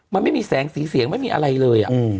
มันไม่มีแสงสีเสียงไม่มีอะไรเลย